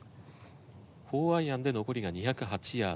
４アイアンで残りが２０８ヤード。